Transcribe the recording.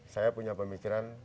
saya punya pemikiran